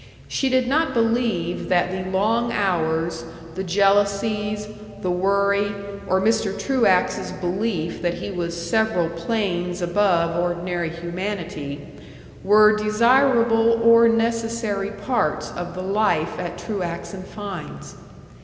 She did not believe that the long hours, the jealousies, the worry, or Mr. Truax's belief that he was several planes above ordinary humanity, were desirable or necessary parts of the life at Truax & Fein's.